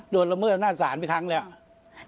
โดนละเมื่ออำนาจสารไปครั้งหนึ่งแล้ว